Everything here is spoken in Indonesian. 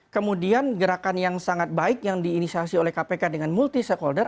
kemudian gerakan yang sangat baik yang diinisiasi oleh kpk dengan multi stakeholder